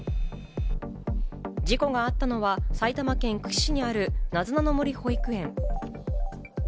事故があったのは埼玉県久喜市にある、なずなの森保育園。